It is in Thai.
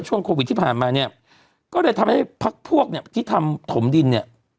ช่วงโควิดที่ผ่านมาเนี่ยก็เลยทำให้พักพวกเนี่ยที่ทำถมดินเนี่ย